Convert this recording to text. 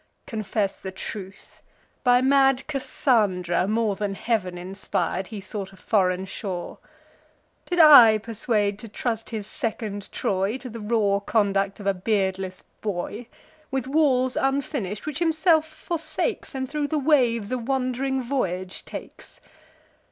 Confess the truth; by mad Cassandra, more Than Heav'n inspir'd, he sought a foreign shore! Did I persuade to trust his second Troy To the raw conduct of a beardless boy, With walls unfinish'd, which himself forsakes, And thro' the waves a wand'ring voyage takes?